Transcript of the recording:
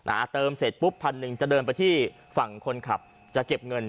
เติมเสร็จปุ๊บพันหนึ่งจะเดินไปที่ฝั่งคนขับจะเก็บเงิน